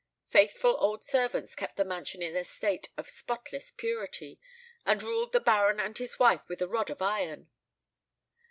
Faithful old servants kept the mansion in a state of spotless purity, and ruled the Baron and his wife with a rod of iron.